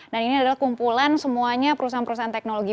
dan ini adalah kumpulan semuanya perusahaan perusahaan teknologi